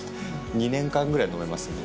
２年間ぐらい飲めますね。